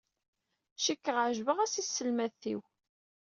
Cikkeɣ ɛejbeɣ-as i tselmadt-iw.